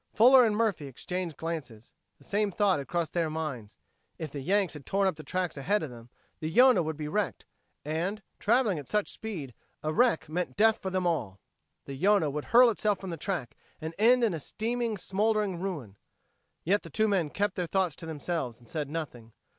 Fuller and Murphy exchanged glances; the same thought had crossed their minds. If the Yanks had torn up the track ahead of them, the Yonah would be wrecked, and, traveling at such speed, a wreck meant death for them all. The Yonah would hurl itself from the track, and end in a steaming, smoldering ruin. Yet the two men kept their thoughts to themselves and said nothing.